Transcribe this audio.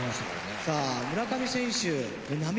さあ村上選手。